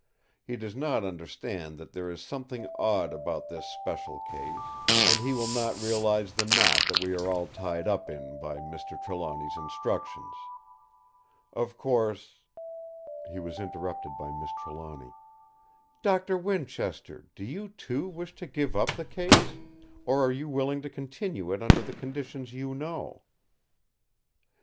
He does not understand that there is something odd about this special case; and he will not realise the knot that we are all tied up in by Mr. Trelawny's instructions. Of course—" He was interrupted by Miss Trelawny: "Doctor Winchester, do you, too, wish to give up the case; or are you willing to continue it under the conditions you know?"